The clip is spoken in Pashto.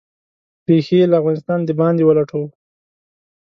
ریښې یې له افغانستانه د باندې ولټوو.